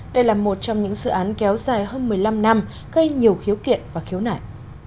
đây là một trong những dự án kéo dài hơn một mươi năm năm gây nhiều khiếu kiện và khiếu nại